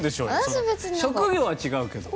職業は違うけど。